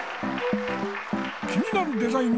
気になるデザイン